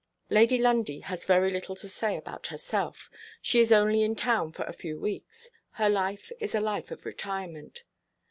Lady Lundie has very little to say about herself. She is only in town for a few weeks. Her life is a life of retirement.